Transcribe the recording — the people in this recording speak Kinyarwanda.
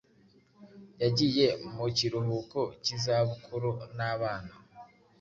yagiye mu kiruhuko cyizabukurunabana